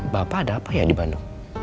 bapak ada apa ya di bandung